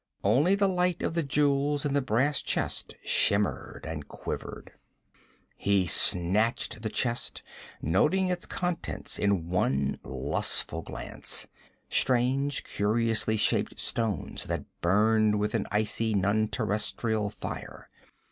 Only the light of the jewels in the brass chest shimmered and quivered. He snatched the chest, noting its contents in one lustful glance strange, curiously shapen stones that burned with an icy, non terrestrial fire.